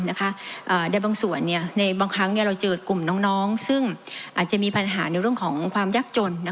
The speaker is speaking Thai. ในบางส่วนในบางครั้งเราเจอกลุ่มน้องซึ่งอาจจะมีปัญหาในเรื่องของความยากจน